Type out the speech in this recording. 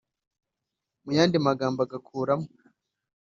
mu yandi magambo ugakuramo .